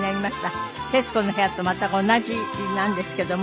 『徹子の部屋』と全く同じなんですけども。